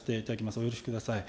お許しください。